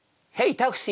タクシー！